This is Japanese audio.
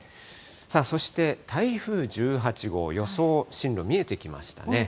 そして台風１８号、予想進路、見えてきましたね。